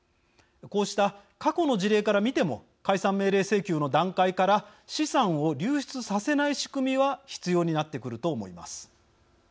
こうした過去の事例から見ても解散命令請求の段階から資産を流出させない仕組みは必要になってくると思います。